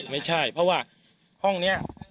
ไม่ใช่เพราะว่าห้องนี้